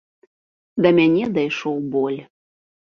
Да мяне дайшоў боль.